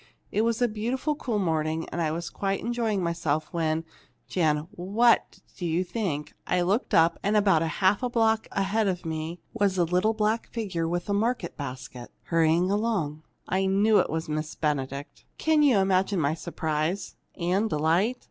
It was a beautiful, cool morning, and I was quite enjoying myself when Jan, what do you think? I looked up, and about half a block ahead of me was a little black figure with a market basket, hurrying along. I knew it was Miss Benedict! "Can you imagine my surprise and delight?